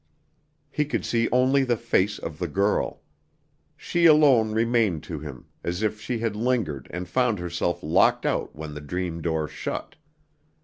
He could see only the face of the girl. She alone remained to him, as if she had lingered and found herself locked out when the dream door shut.